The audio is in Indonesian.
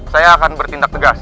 saya akan bertindak tegas